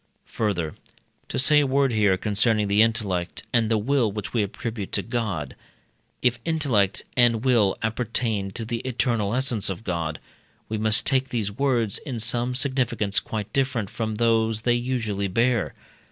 Further (to say a word here concerning the intellect and the will which we attribute to God), if intellect and will appertain to the eternal essence of God, we must take these words in some significance quite different from those they usually bear.